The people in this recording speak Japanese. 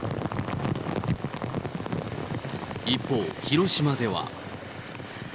一方、広島では。